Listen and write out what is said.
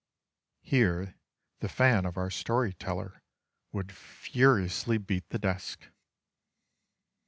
Here the fan of our story teller would furiously beat the desk.